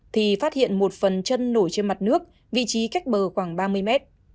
thì phát hiện một phần chân nổi trên mặt nước vị trí cách bờ khoảng ba mươi mét